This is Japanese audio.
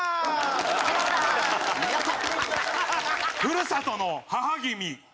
ふるさとの母君。